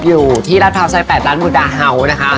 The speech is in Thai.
อยู่ที่รัฐพร้าวซอย๘ร้านบุดาเฮาส์นะคะ